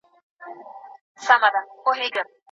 د قوم او ژبې توپير يې نه کاوه.